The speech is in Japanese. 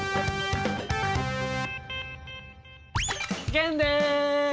玄です！